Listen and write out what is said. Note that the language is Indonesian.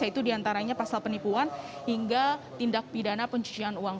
yaitu diantaranya pasal penipuan hingga tindak pidana pencucian uang